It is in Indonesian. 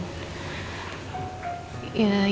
kasian pasiennya kalo kelamaan